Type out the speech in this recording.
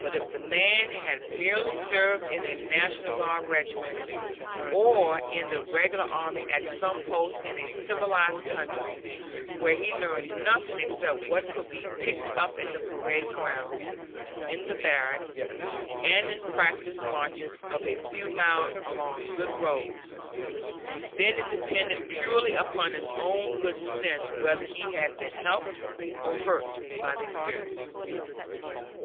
But if the man had merely served in a National Guard regiment, or in the Regular Army at some post in a civilized country where he learned nothing except what could be picked up on the parade ground, in the barracks, and in practice marches of a few miles along good roads, then it depended purely upon his own good sense whether he had been helped or hurt by the experience.